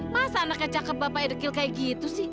masa anaknya cakep bapaknya dekil kayak gitu sih